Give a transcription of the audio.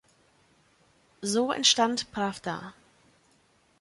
So entstand „Pravda“.